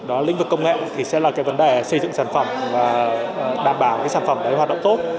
đó lĩnh vực công nghệ thì sẽ là cái vấn đề xây dựng sản phẩm và đảm bảo cái sản phẩm đấy hoạt động tốt